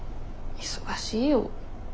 忙しいよ。